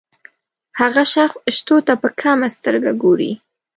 هغه شخص شتو ته په کمه سترګه ګوري.